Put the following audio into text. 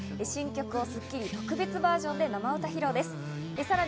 新曲をスッキリ特別バージョンで生歌披露です。